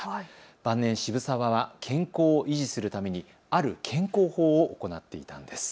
晩年、渋沢は健康を維持するためにある健康法を行っていたんです。